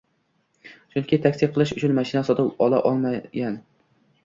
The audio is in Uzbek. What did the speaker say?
chunki taksi qilish uchun mashina sotib ola olmagan